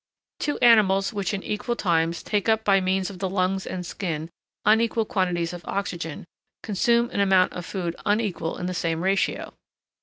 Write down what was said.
Two animals which in equal times take up by means of the lungs and skin unequal quantities of oxygen, consume an amount of food unequal in the same ratio.